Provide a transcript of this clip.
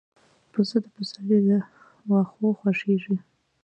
پسه د پسرلي له واښو خوښيږي.